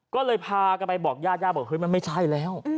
ก็เลยพากันไปบอกญาติญาติบอกเฮ้ยมันไม่ใช่แล้ว